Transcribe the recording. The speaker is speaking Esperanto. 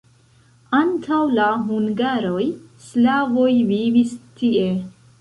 Antaŭ la hungaroj slavoj vivis tie.